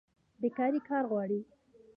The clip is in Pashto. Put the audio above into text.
بیکاري کار غواړي